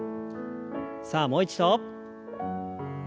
さあもう一度。